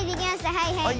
はいはい！